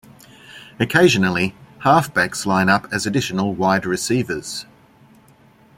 Occasionally, halfbacks line up as additional wide receivers.